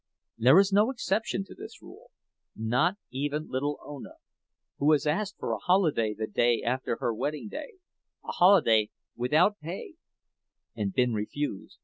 There is no exception to this rule, not even little Ona—who has asked for a holiday the day after her wedding day, a holiday without pay, and been refused.